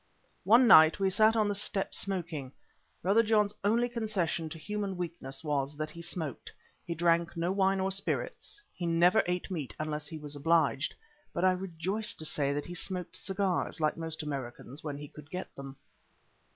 One night we sat on the step smoking; Brother John's only concession to human weakness was that he smoked. He drank no wine or spirits; he never ate meat unless he was obliged, but I rejoice to say that he smoked cigars, like most Americans, when he could get them.